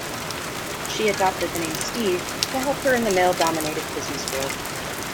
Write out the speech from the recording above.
She adopted the name, "Steve", to help her in the male-dominated business world.